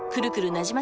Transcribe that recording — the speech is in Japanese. なじま